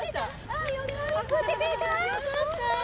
よかった。